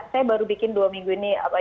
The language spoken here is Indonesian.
saya baru bikin dua minggu ini